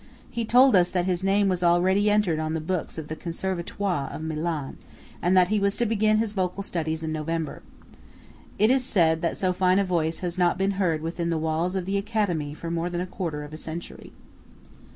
He told us that his name was already entered on the books of the Conservatoire of Milan, and that he was to begin his vocal studies in November. It is said that so fine a voice has not been heard within the walls of the Academy for more than a quarter of a century.